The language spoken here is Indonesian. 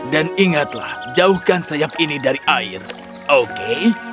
dan ingatlah jauhkan sayap ini dari air oke